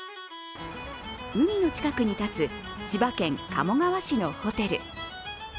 海の近くに建つ千葉県鴨川市のホテル。